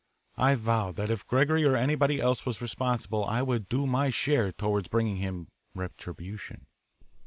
I vowed that if Gregory or anybody else was responsible I would do my share toward bringing on him retribution.